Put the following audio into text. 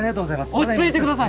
ただいま落ち着いてください！